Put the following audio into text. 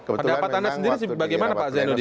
pendapatannya sendiri sih bagaimana pak zainuddin